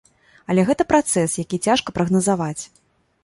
Але гэта працэс, які цяжка прагназаваць.